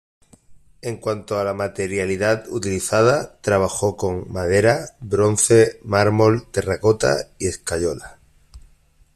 En cuanto a la materialidad utilizada, trabajó con: madera, bronce, mármol, terracota y escayola.